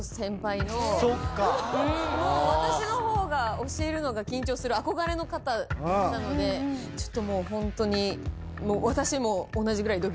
私の方が教えるのが緊張する憧れの方だったのでちょっともうホントに私も。